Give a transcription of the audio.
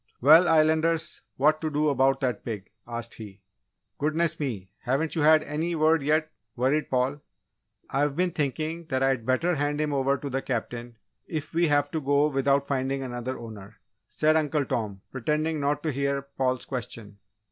"Well, Islanders! What to do about that pig?" asked he. "Goodness me! Haven't you had any word, yet?" worried Paul. "I've been thinking that I'd better hand him over to the Captain, if we have to go without finding another owner," said Uncle Tom, pretending not to hear Paul's question.